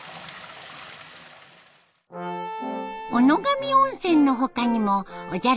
小野上温泉の他にもおじゃる☆